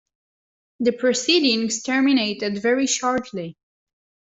The proceedings terminated very shortly.